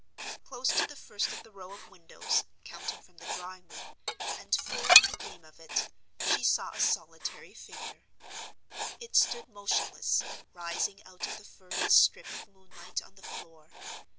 Close to the first of the row of windows, counting from the drawing room, and full in the gleam of it, she saw a solitary figure. It stood motionless, rising out of the furthest strip of moonlight on the floor.